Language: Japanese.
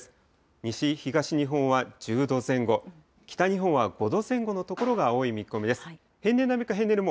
西、東日本は１０度前後、北日本は５度前後の所が多い見込みです。